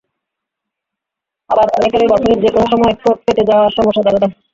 আবার অনেকেরই বছরের যেকোনো সময় ঠোঁট ফেটে যাওয়ার সমস্যা দেখা দেয়।